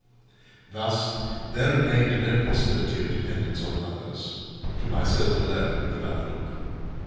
Thus, there remained no possibility of dependence on others; to myself alone could I look.